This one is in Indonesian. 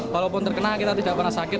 walaupun terkena kita tidak pernah sakit